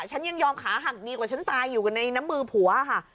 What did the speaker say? ฉันยังยอมขาหักดีกว่าฉันตายอยู่กันในน้ำมือผัวค่ะ